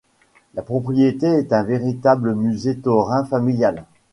La propriété est un véritable musée taurin familial.